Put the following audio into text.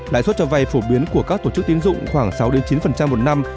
lãi suất trở về phổ biến của các tổ chức tiến dụng khoảng sáu chín một năm